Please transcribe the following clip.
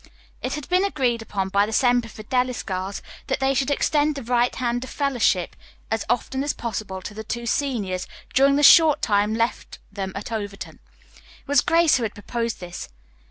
It had been agreed upon by the Semper Fidelis girls that they should extend the right hand of fellowship as often as possible to the two seniors during the short time left them at Overton. It was Grace who had proposed this.